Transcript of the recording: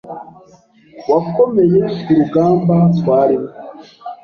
wakomeye ku rugamba twarimo.